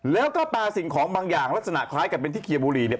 แล้วก็ปลาสิ่งของบางอย่างลักษณะคล้ายกับเป็นที่เคียบุรีเนี่ย